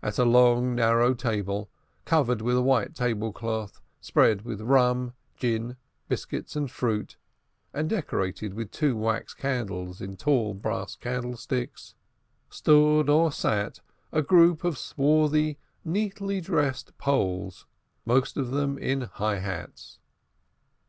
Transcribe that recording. At a long narrow table, covered with a white table cloth spread with rum, gin, biscuits and fruit, and decorated with two wax candles in tall, brass candlesticks, stood or sat a group of swarthy, neatly dressed Poles, most of them in high hats.